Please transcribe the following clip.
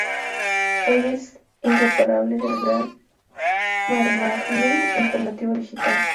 hoy es inseparable del gran maremágnum informativo digital